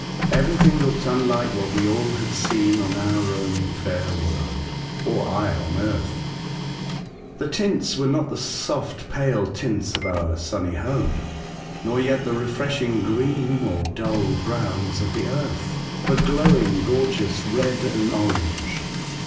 Everything looked unlike what we all had seen on our own fair world, or I on earth. The tints were not the soft pale tints of our sunny home, nor yet the refreshing green or dull browns of the earth, but glowing gorgeous red and orange.